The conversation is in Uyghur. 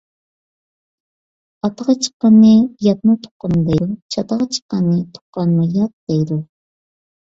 ئاتىقى چىققاننى ياتمۇ تۇغقىنىم دەيدۇ، چاتىقى چىققاننى تۇغقانمۇ يات دەيدۇ.